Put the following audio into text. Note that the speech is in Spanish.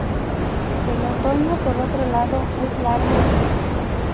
El otoño, por otro lado, es largo y seco.